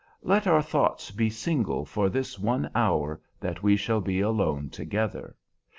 Let our thoughts be single for this one hour that we shall be alone together.